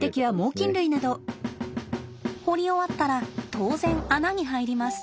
掘り終わったら当然穴に入ります。